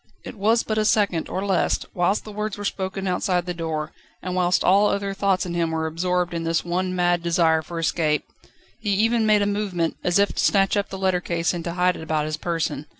It was but a second, or less, whilst the words were spoken outside his door, and whilst all other thoughts in him were absorbed in this one mad desire for escape. He even made a movement, as if to snatch up the letter case and to hide it about his person.